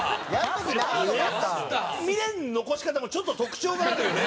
未練の残し方もちょっと特徴があるよね。